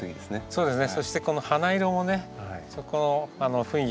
そうですね。